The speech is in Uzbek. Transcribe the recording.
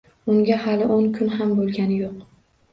Unga hali o‘n kun ham bo‘lganini yo‘q